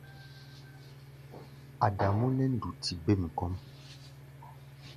Adamú nɛ́ nduti bêm kɔ́ʼm.